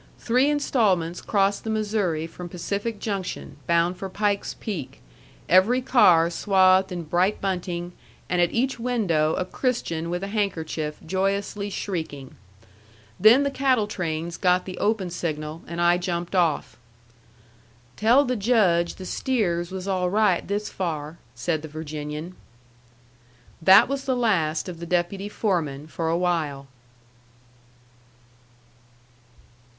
Three instalments crossed the Missouri from Pacific Junction, bound for Pike's Peak, every car swathed in bright bunting, and at each window a Christian with a handkerchief, joyously shrieking. Then the cattle trains got the open signal, and I jumped off. "Tell the Judge the steers was all right this far," said the Virginian. That was the last of the deputy foreman for a while.